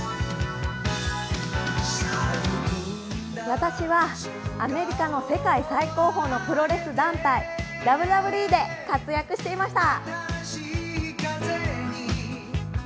私はアメリカの世界最高峰のプロレス団体、ＷＷＥで活躍していました。